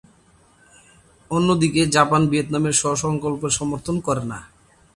অন্যদিকে, জাপান ভিয়েতনামের স্ব-সংকল্পের সমর্থন করে না।